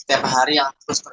ter rusak modal expo